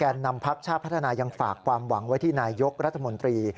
นำพักชาติพัฒนายังฝากความหวังไว้ที่นายยกรัฐมนตรี